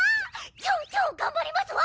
超々頑張りますわ！